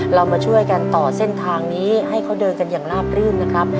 เรามาช่วยกันต่อเส้นทางนี้ให้เขาเดินกันอย่างราบรื่นนะครับ